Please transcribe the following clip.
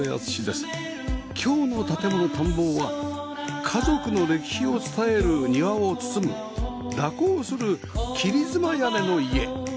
今日の『建もの探訪』は家族の歴史を伝える庭を包む蛇行する切妻屋根の家